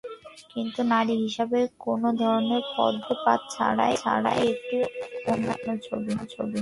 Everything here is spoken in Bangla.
কিন্তু নারী হিসেবে কোনো ধরনের পক্ষপাত ছাড়াই এটি একটি অনন্য ছবি।